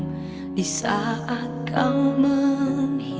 gue jadi dua puluh enam tahun tiga tahun nama sendiri